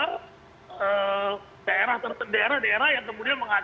tentang bagaimana protokol covid ini diberlakukan dan diperlukan untuk penyelenggaraan dan penyelenggaraan